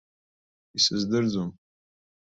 Исыздырӡом.